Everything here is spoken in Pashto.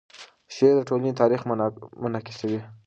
شعر د ټولنې تاریخ منعکسوي.